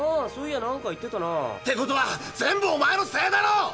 そういや何か言ってたな。ってことは全部おまえのせいだろ！